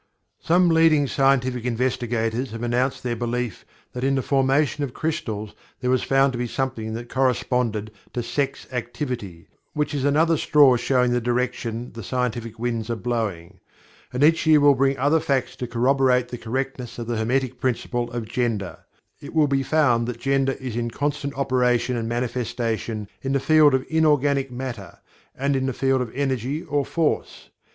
Some leading scientific investigators have announced their belief that in the formation of crystals there was to be found something that corresponded to "sex activity" which is another straw showing the direction the scientific winds are blowing. And each year will bring other facts to corroborate the correctness of the Hermetic Principle of Gender. It will be found that Gender is in constant operation and manifestation in the field of inorganic matter, and in the field of Energy or Force.